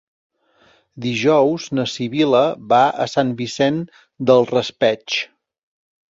Dijous na Sibil·la va a Sant Vicent del Raspeig.